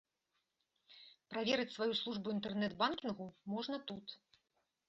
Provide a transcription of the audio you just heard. Праверыць сваю службу інтэрнэт-банкінгу можна тут.